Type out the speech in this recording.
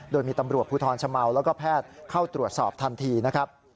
โดยมีตำรวจภูทรชะเมาแล้วก็แพทย์เข้าตรวจสอบทันทีนะครับ